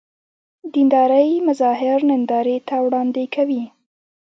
دیندارۍ مظاهر نندارې ته وړاندې کوي.